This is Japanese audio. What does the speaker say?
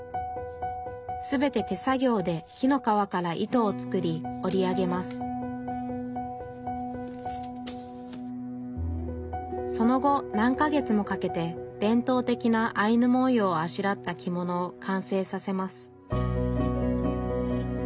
全て手作業で木の皮から糸を作り織り上げますその後何か月もかけて伝統的なアイヌ文様をあしらった着物を完成させます